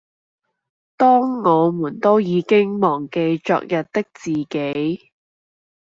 當我們都已經忘記昨日的自己